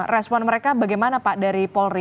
respon mereka bagaimana pak dari polri